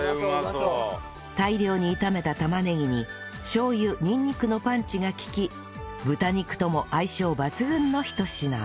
大量に炒めた玉ねぎにしょう油にんにくのパンチが利き豚肉とも相性抜群の一品